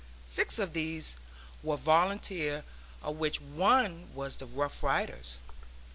Six of these were volunteer, of which one was the Rough Riders.